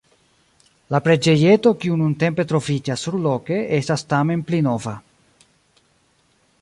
La preĝejeto kiu nuntempe troviĝas surloke estas tamen pli nova.